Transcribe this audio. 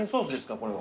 これは。